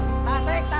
tasik tasik tasik